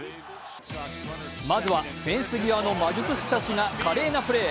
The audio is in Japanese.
まずはフェンス際の魔術師たちが華麗なプレー。